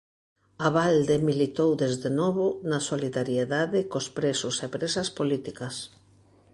Abalde militou desde novo na solidariedade cos presos e presas políticas.